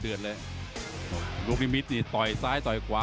หรือว่าผู้สุดท้ายมีสิงคลอยวิทยาหมูสะพานใหม่